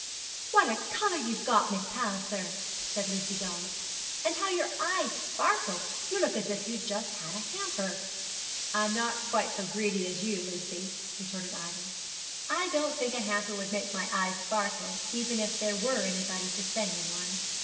'What a colour you've got, Miss Palliser!' said Lucy Dobbs, 'and how your eyes sparkle! You look as if you'd just had a hamper.' 'I'm not quite so greedy as you, Lucy,' retorted Ida; 'I don't think a hamper would make my eyes sparkle, even if there were anybody to send me one.'